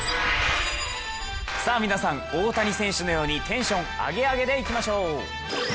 さあ皆さん、大谷選手のようにテンションアゲアゲでいきましょう。